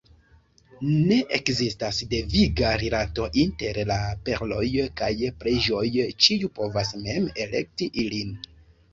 Ne ekzistas deviga rilato inter la perloj kaj preĝoj, ĉiu povas mem elekti ilin.